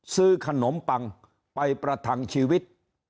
ซื้อขนมปังไปประทังชีวิต